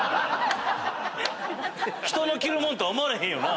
人の着るもんと思われへんよな。